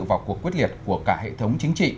vào cuộc quyết liệt của cả hệ thống chính trị